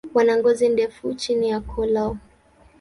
Wana ngozi ndefu chini ya koo lao.